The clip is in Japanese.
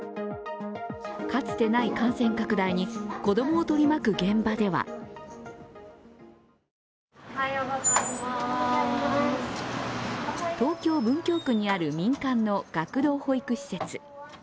かつてない感染拡大に子供を取り巻く現場では東京・文京区にある民間の学童保育施設。